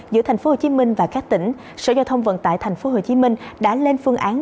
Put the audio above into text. giữa tp hcm và các tỉnh sở giao thông vận tải tp hcm đã lên phương án